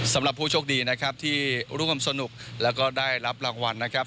สำหรับผู้โชคดีนะครับที่ร่วมสนุกแล้วก็ได้รับรางวัลนะครับ